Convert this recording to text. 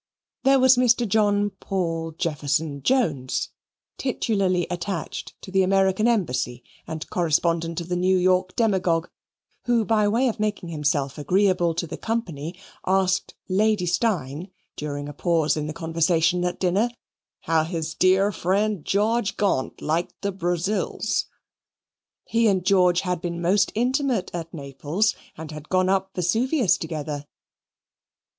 There was Mr. John Paul Jefferson Jones, titularly attached to the American Embassy and correspondent of the New York Demagogue, who, by way of making himself agreeable to the company, asked Lady Steyne, during a pause in the conversation at dinner, how his dear friend, George Gaunt, liked the Brazils? He and George had been most intimate at Naples and had gone up Vesuvius together.